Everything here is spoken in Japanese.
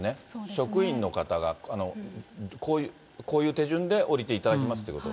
職員の方が、こういう手順で下りていただきますということを。